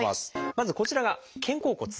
まずこちらが肩甲骨。